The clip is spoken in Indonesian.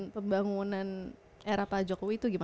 pembangunan era pak jokowi